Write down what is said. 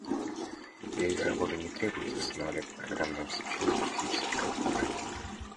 Для их работы не требуется устанавливать программное обеспечение на физический компьютер.